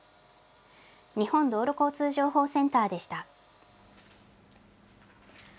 日本道路交通情報センターでした。